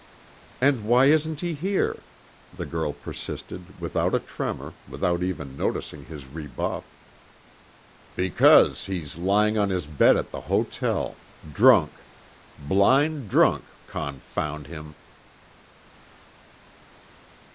"And why isn't he here?" the girl persisted without a tremor, without even noticing his rebuff. "Because he's lying on his bed at the hotel drunk. Blind drunk, confound him."